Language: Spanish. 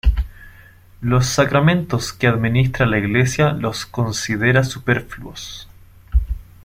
Los sacramentos que administra la Iglesia los considera superfluos.